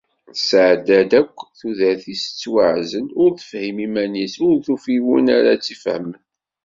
Tesεedda-d akk tudert-is tettwaεzel, ur tefhim iman-is, ur tufi win ara tt-ifahmen.